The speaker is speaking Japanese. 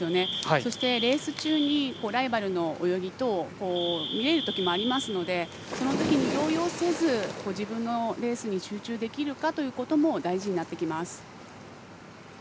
そして、レース中にライバルの泳ぎ等が見えるときもありますのでそのときに動揺せず自分のレースに集中できるかということも大事になってきます。